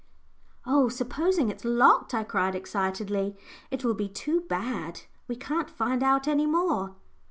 "Oh! supposing it's locked," I cried, excitedly; "it will be too bad. We can't find out any more."